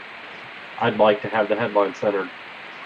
I'd like to have the headline centred.